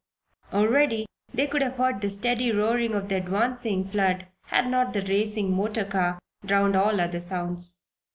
Already they could have heard the steady roaring of the advancing flood had not the racing motor car drowned all other sounds.